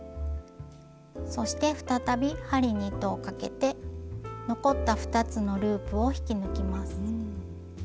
そして再び針に糸をかけて残った２つのループを引き抜きます。